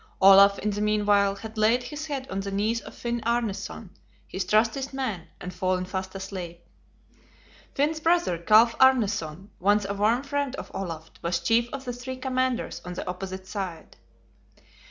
Olaf, in the mean while, had laid his head on the knees of Finn Arneson, his trustiest man, and fallen fast asleep. Finn's brother, Kalf Arneson, once a warm friend of Olaf, was chief of the three commanders on the opposite side.